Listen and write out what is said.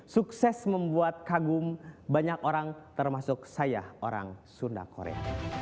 sukses membuat kagum banyak orang termasuk saya orang sunda korea